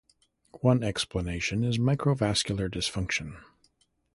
One explanation is microvascular dysfunction.